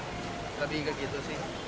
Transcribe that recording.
lebih begitu sih